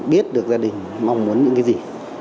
biết được gia đình mong muốn những cái gì